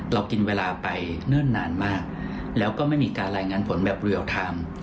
เรากินเวลาไปเนิ่นนานมากแล้วก็ไม่มีการรายงานผลแบบเรียลไทม์